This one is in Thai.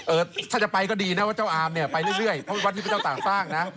เออถ้าจะไปก็ดีนะว่าเจ้าอามเนี่ยไปเรื่อยเพราะวัดที่พระเจ้าต่างสร้างนะ